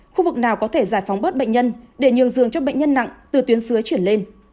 khu vực nào có thể giải phóng bớt bệnh nhân để nhường giường cho bệnh nhân nặng từ tuyến dưới chuyển lên